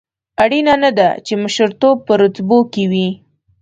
اړینه نه ده چې مشرتوب په رتبو کې وي.